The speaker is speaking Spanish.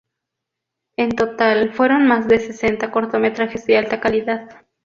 En total fueron más de sesenta cortometrajes de alta calidad.